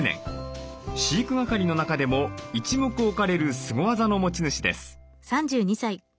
飼育係の中でも一目置かれるスゴ技の持ち主です。